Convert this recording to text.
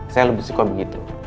saya lebih suka begitu